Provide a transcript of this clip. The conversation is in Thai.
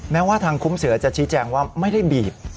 แม้ว่าทางคุ้มเสือจะชี้แจงว่าไม่ได้บีบ